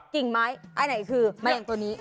กิ่งไม้อันไหนคือแมลงตัวนี้